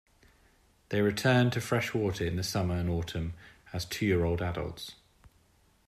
They return to freshwater in the summer or autumn as two-year-old adults.